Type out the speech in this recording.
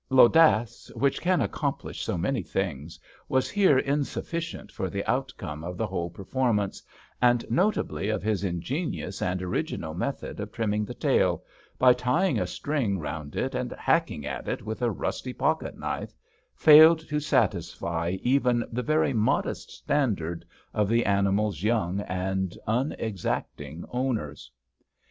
L'audacey which can accomplish so many things, was here insufficient, for the outcome of the whole performance, and notably of his ingenious and original method of trimming the tail, by tying a string round it and hacking at it with a rusty pocket knife, failed to satisfy even the very modest standard of the animal's young and unex acting owners.